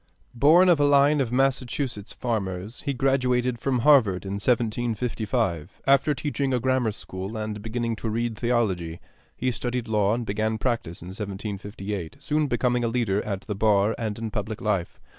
Born of a line of Massachusetts farmers, he graduated from Harvard in 1755. After teaching a grammar school and beginning to read theology, he studied law and began practice in 1758, soon becoming a leader at the bar and in public life.